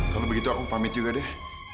kalau begitu aku pamit juga deh